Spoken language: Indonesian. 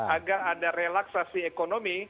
agar ada relaksasi ekonomi